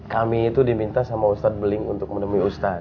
kami itu diminta sama ustaz beling untuk menemui ustaz